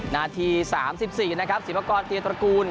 นาที๓๔นะครับศิวากรเตียตระกูล